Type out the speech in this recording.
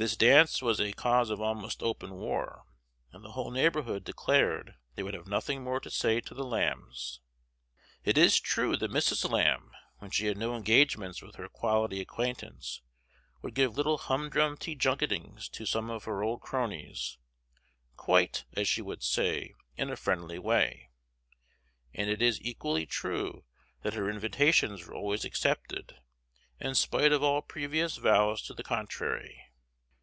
This dance was a cause of almost open war, and the whole neighborhood declared they would have nothing more to say to the Lambs. It is true that Mrs. Lamb, when she had no engagements with her quality acquaintance, would give little humdrum tea junketings to some of her old cronies, "quite," as she would say, "in a friendly way;" and it is equally true that her invitations were always accepted, in spite of all previous vows to the contrary.